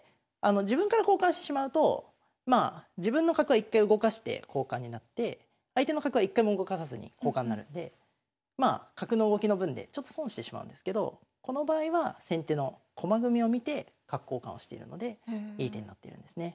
自分から交換してしまうとまあ自分の角は一回動かして交換になって相手の角は一回も動かさずに交換になるんでまあ角の動きの分でちょっと損してしまうんですけどこの場合は先手の駒組みを見て角交換をしてるのでいい手になってるんですね。